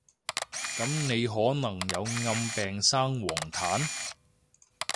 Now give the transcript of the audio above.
噉你可能有暗病生黃疸？